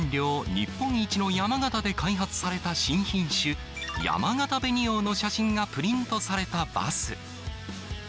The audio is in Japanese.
日本一の山形で開発された新品種、やまがた紅王の写真がプリントされたバス。